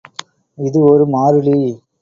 இது ஒரு மாறிலி.